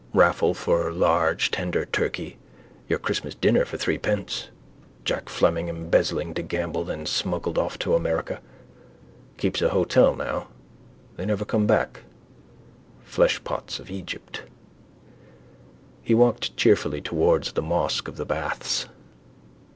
Raffle for large tender turkey. Your Christmas dinner for threepence. Jack Fleming embezzling to gamble then smuggled off to America. Keeps a hotel now. They never come back. Fleshpots of Egypt. He walked cheerfully towards the mosque of the baths.